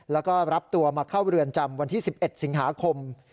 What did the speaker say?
แล้วก็รับตัวมาเข้าเรือนจำวันที่๑๑สิงหาคม